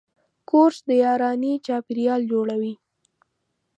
کورس د یارانې چاپېریال جوړوي.